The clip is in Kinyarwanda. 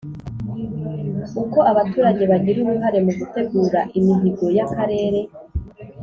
Uko abaturage bagira uruhare mu gutegura imihigo y akarere